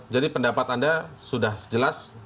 jadi pendapat anda sudah jelas